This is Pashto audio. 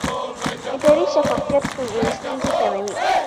اداري شفافیت ستونزې کموي